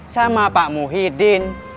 sama pak muhyiddin